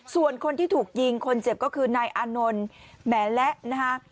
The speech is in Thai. ส่วนคนที่ถูกยิงคนเจ็บก็คือนายอานนท์แหมและนะฮะ